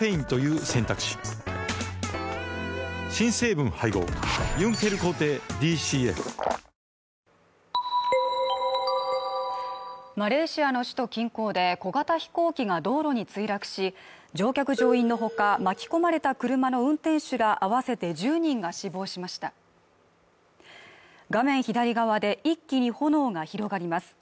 分かりますノリというかムードがそれ分かるモニタリングにマレーシアの首都近郊で小型飛行機が道路に墜落し乗客乗員のほか巻き込まれた車の運転手ら合わせて１０人が死亡しました画面左側で一気に炎が広がります